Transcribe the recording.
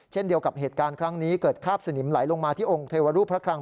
เช่นเดียวกับเหตุการณ์ครั้งนี้เกิดคาบสนิมไหลลงมาที่องค์เทวรูปพระคลัง